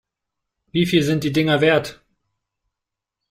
Wie viel sind die Dinger wert?